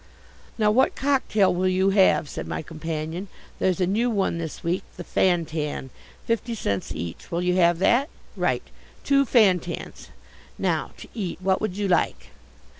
"Now, what cocktail will you have?" said my companion. "There's a new one this week, the Fantan, fifty cents each, will you have that? Right? Two Fantans. Now to eat what would you like?"